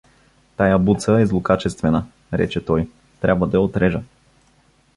— Тая буца е злокачествена — рече той. — Трябва да я отрежа.